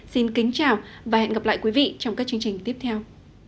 xin kính chào và hẹn gặp lại quý vị trong các chương trình tiếp theo